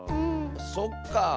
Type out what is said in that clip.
そっかあ。